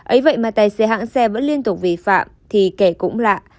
ấy vậy mà tài xế hãng xe vẫn liên tục vi phạm thì kẻ cũng lạ